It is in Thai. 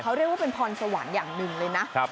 เขาเรียกว่าเป็นพรสวรรค์อย่างหนึ่งเลยนะ